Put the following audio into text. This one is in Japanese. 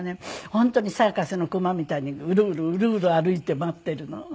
本当にサーカスのクマみたいにうろうろうろうろ歩いて待ってるの。